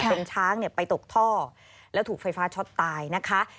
เป็นช้างไปตกท่อแล้วถูกไฟฟ้าช็อตตายนะคะ